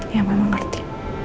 ya mama ngerti